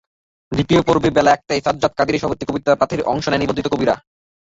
দ্বিতীয় পর্বে বেলা একটায় সাযযাদ কাদিরের সভাপতিত্বে কবিতা পাঠে অংশ নেন নিবন্ধিত কবিরা।